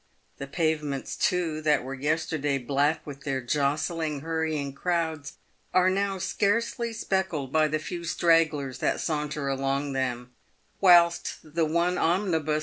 The pavements, too, that were yesterday black with their jostling, hurrying crowds, are now scarcely speckled by the few stragglers that saunter along them, whilst the one omnibus 26 PAVED WITH GOLD.